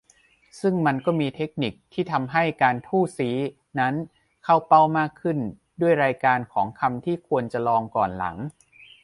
ซึ่งมันก็มีเทคนิคที่ทำให้การ "ทู่ซี้" นั้น เข้าเป้ามากขึ้น ด้วยรายการของคำที่ควรจะลองก่อนหลัง